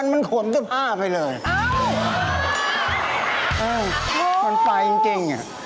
มันตายจริงนี่